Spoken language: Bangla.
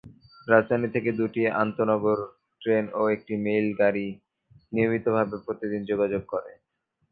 রাজধানী থেকে দুটি আন্তঃনগর ট্রেন ও একটি মেইল গাড়ি নিয়মিত ভাবে প্রতিদিন যোগাযোগ করে।